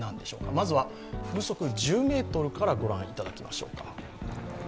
まずは風速１０メートルから御覧いただきましょうか。